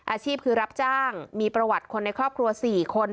อาชีพคือรับจ้างมีประวัติคนในครอบครัว๔คน